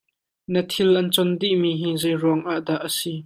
Na thil an con dih mi hi zei ruangah dah a si?